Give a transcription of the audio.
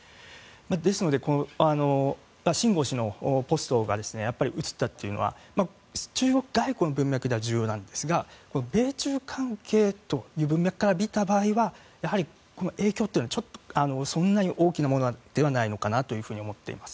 ですのでシン・ゴウ氏のポストが移ったというのは中国外交の文脈では重要なんですが米中関係という文脈から見た場合はやはりこの影響というのはそんなに大きなものではないのかなと思っています。